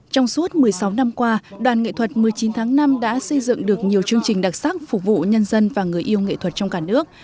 trong suốt một mươi sáu năm qua đoàn nghệ thuật một mươi chín tháng năm đã xây dựng được nhiều chương trình đặc sắc phục vụ nhân dân và người yêu nghệ thuật trong cả nước